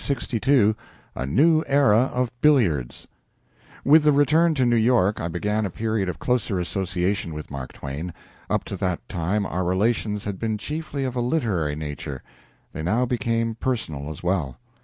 LXII A NEW ERA OF BILLIARDS With the return to New York I began a period of closer association with Mark Twain. Up to that time our relations had been chiefly of a literary nature. They now became personal as well.